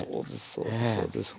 そうですそうです。